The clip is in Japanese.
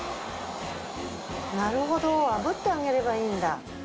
なるほど炙ってあげればいいんだ。